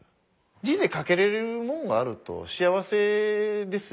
人生かけれるもんがあると幸せですよ。